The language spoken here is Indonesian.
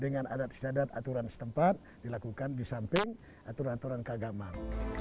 dengan adat isdat aturan setempat dilakukan di samping aturan aturan keagamaan